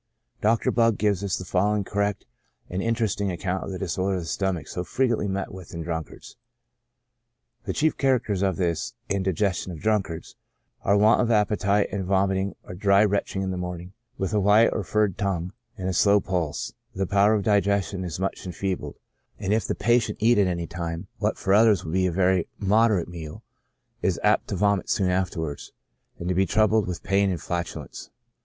Dr. Budd gives us the following correct and interesting account of the disorder of the stomach so frequently met with in drunkards :" The chief characters of this (indigestion of drunkards) are want of appetite, and vomiting or dry retching in the morning, with a white or furred tongue, and a slow pulse ; the power of digestion is much enfeebled, and if the patient eat at any time, what for others would be a very moderate meal, he is apt to vomit soon afterwards, and to be troubled with pain and flatulence.